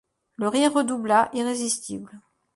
Le rire redoubla, irrésistible.